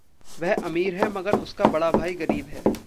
वह अमीर है, मगर उसका बड़ा भाई गरीब है।